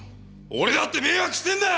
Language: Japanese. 俺だって迷惑してんだ！